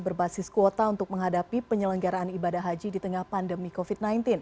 berbasis kuota untuk menghadapi penyelenggaraan ibadah haji di tengah pandemi covid sembilan belas